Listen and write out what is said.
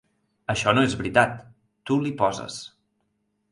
Això no és veritat; tu l'hi poses.